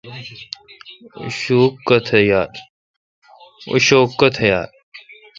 اوں شوک کینتھ یال۔